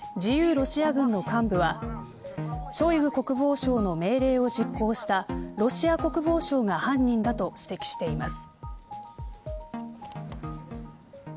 ロシア軍の幹部はショイグ国防相の命令を実行したロシア国防省が犯人だと指摘しています。